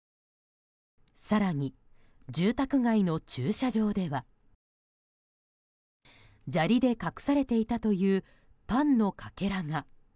更に、住宅街の駐車場では砂利で隠されていたというパンのかけらが。